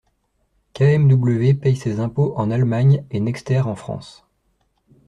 KMW paie ses impôts en Allemagne et Nexter en France.